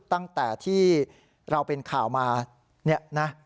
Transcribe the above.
ตั้งแต่ที่เราเป็นข่าวมาเนี่ยนะ